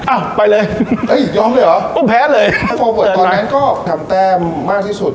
อ้าวไปเลยเอ้ยยอมเลยเหรอพวกแพ้เลยตอนนั้นก็ทำแต้มมากที่สุด